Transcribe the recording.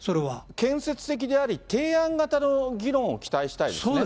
建設的であり、提案型の議論を期待したいですね。